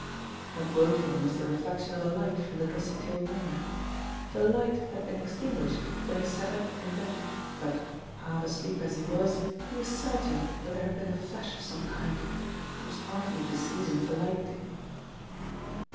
What woke him was the reflection of a light from the dressing table mirror. The light had been extinguished when he sat up in bed, but, half asleep as he was, he was certain that there had been a flash of some kind it was hardly the season for lightning.